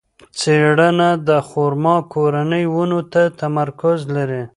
څېړنه د خورما کورنۍ ونو ته تمرکز لري.